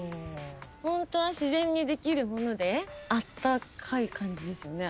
ホントは自然にできるものであったかい感じですよね？